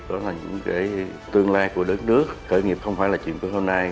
đó là những cái tương lai của đất nước khởi nghiệp không phải là chuyện của hôm nay